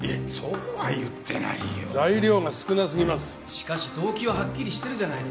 しかし動機ははっきりしてるじゃないですか。